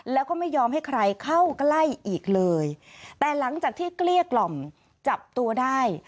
แล้วก็ไม่ยอมให้ใครเข้าใกล้อีกเลยแต่หลังจากที่เกลี้ยกล่อมจับตัวได้